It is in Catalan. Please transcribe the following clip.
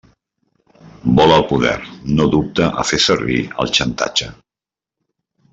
Vol el poder, no dubta a fer servir el xantatge.